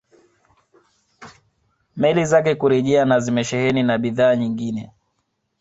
Meli zake kurejea na zimesheheni na bidhaa nyingine